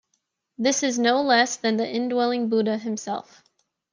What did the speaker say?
This is no less than the indwelling Buddha himself.